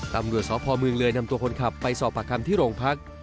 ตำรวจสพเมืองเลยนำตัวคนขับไปสอบปากคำที่โรงพัก